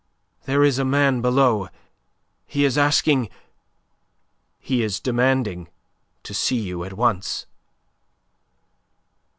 "There is a man below. He is asking... he is demanding to see you at once."